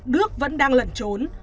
đức vẫn đang lẩn trốn